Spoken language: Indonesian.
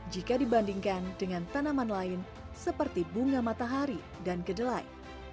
jika dibandingkan dengan tanaman lain seperti bunga matahari dan kedelai